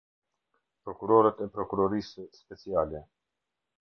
Prokurorët e Prokurorisë Speciale.